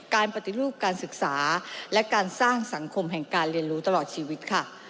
การปฏิรูปการศึกษาและการสร้างสังคมแห่งการเรียนรู้ตลอดชีวิตค่ะ